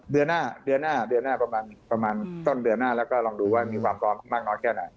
เดือนหน้าประมาณต้นเดือนหน้าแล้วก็ลองดูว่ามีความพร้อมมากนอนแค่ไหน